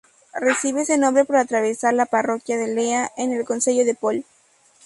Recibe ese nombre por atravesar la parroquia de Lea, en el concello de Pol.